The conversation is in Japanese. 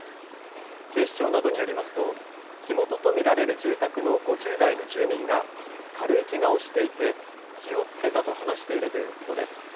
警視庁などによりますと火元と見られる住宅の５０代の住民が軽いけがをしていて火をつけたと話しているということです。